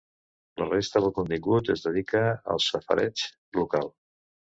La resta del contingut es dedica al safareig local.